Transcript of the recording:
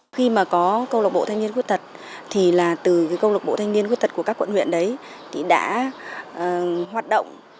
khi mà có câu lạc bộ thanh niên khuyết tật thì là từ câu lạc bộ thanh niên khuyết tật của các quận huyện đấy thì đã hoạt động